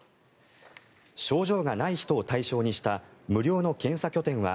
症状がない人を対象にした無料の検査拠点は